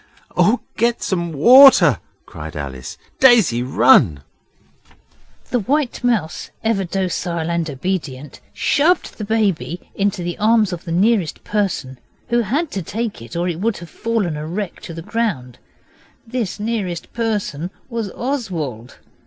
'Oh, get some water!' said Alice. 'Daisy, run!' The White Mouse, ever docile and obedient, shoved the baby into the arms of the nearest person, who had to take it or it would have fallen a wreck to the ground. This nearest person was Oswald.